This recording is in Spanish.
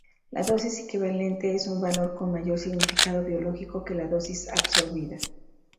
La dosis equivalente es un valor con mayor significado biológico que la dosis absorbida.